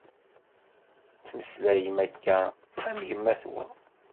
Tettmeslayem akka am yemma-twen.